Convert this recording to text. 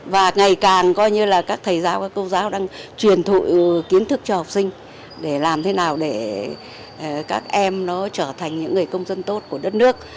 và ngày càng coi như là các thầy giáo các cô giáo đang truyền thụ kiến thức cho học sinh để làm thế nào để các em nó trở thành những người công dân tốt của đất nước